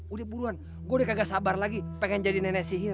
udah buruan gue udah kagak sabar lagi pengen jadi nenek sihir